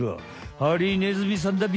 ハリネズミさんだビ。